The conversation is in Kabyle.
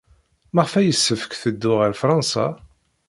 Maɣef ay yessefk teddu ɣer Fṛansa?